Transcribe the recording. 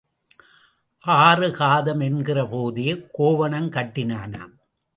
ஆறு காதம் என்கிற போதே கோவனம் கட்டினானாம்.